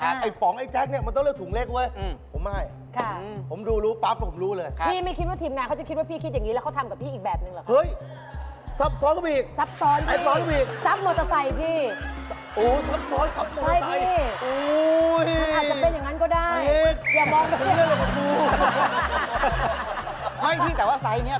ไอ้ป๋องไอ้แจ๊กเนี่ยมันต้องเลือกถุงเล็กเว้ย